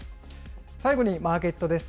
最後にマーケットです。